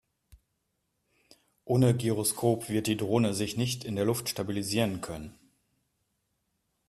Ohne Gyroskop wird die Drohne sich nicht in der Luft stabilisieren können.